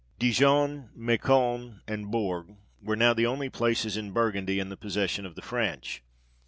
Dijon, Macon, and Bourg, were now the only places in Burgundy in the possession of the French.